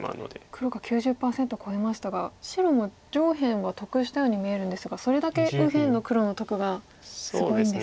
黒が９０％超えましたが白も上辺は得したように見えるんですがそれだけ右辺の黒の得がすごいんですか。